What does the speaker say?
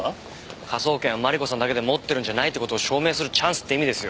科捜研はマリコさんだけでもってるんじゃないって事を証明するチャンスって意味ですよ。